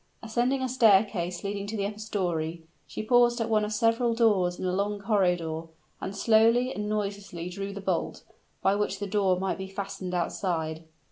Ascending a staircase leading to the upper story, she paused at one of several doors in a long corridor, and slowly and noiselessly drew the bolt, by which that door might be fastened outside.